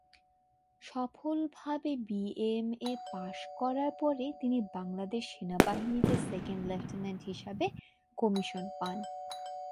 সফলভাবে BMA pass করার পরে তিনি বাংলাদেশ সেনাবাহিনীতে সেকেন্ড লেফটেন্যান্ট হিসাবে কমিশন পান।